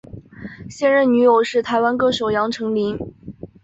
现任女友是台湾歌手杨丞琳。